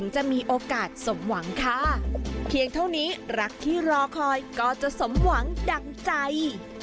จะมีโอกาสสมหวังค่ะเพียงเท่านี้รักที่รอคอยก็จะสมหวังดั่งใจ